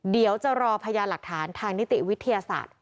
เดี๋ยวจะรอพยานหลักฐานทางนิติวิทยาศาสตร์